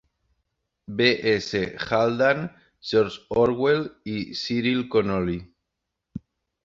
B. S. Haldane, George Orwell i Cyril Connolly.